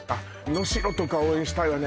能代とか応援したいわね